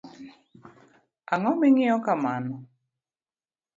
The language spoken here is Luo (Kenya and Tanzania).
Ango mingiyo kamano .